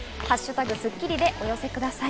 「＃スッキリ」でお寄せください。